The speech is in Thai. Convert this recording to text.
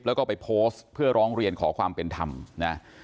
แล้วก็ไปโพสต์เพื่อร้องเรียนขอความเป็นธรรมนะ